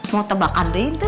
mau tebak ande itu